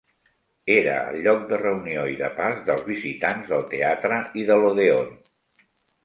Era el lloc de reunió i de pas dels visitants del teatre i de l'odèon.